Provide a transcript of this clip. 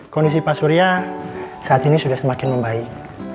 kondisi pak surya saat ini sudah semakin membaik